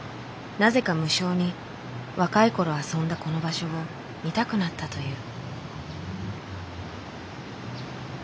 なぜか無性に若い頃遊んだこの場所を見たくなったという。